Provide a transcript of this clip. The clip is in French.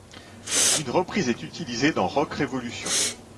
Une reprise est utilisée dans Rock Revolution.